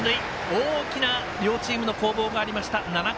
大きな両チームの攻防がありました。